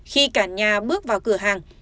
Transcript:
khi cả nhà bước vào cửa hàng